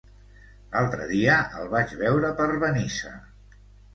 L'altre dia el vaig veure per Benissa.